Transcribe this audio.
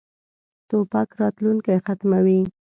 توپک راتلونکی ختموي.